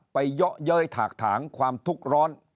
เยาะเย้ยถากถางความทุกข์ร้อน